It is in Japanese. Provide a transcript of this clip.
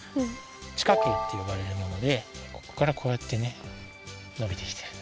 地下茎ってよばれるものでここからこうやってねのびてきてる。